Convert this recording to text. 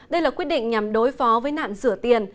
đây là quyết định nhằm đối phó với nạn rửa tiền